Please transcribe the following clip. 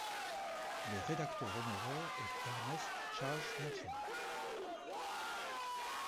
Le rédacteur honoraire est Ernest Charles Nelson.